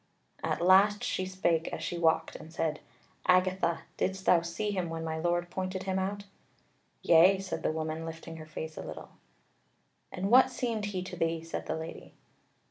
At last she spake as she walked and said: "Agatha, didst thou see him when my Lord pointed him out?" "Yea," said the woman lifting her face a little. "And what seemed he to thee?" said the Lady.